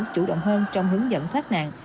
chủ động hơn trong hướng dẫn thoát nạn